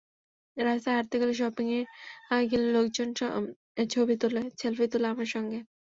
রাস্তায় হাঁটতে গেলে, শপিংয়ে গেলে লোকজন ছবি তোলে, সেলফি তোলে আমার সঙ্গে।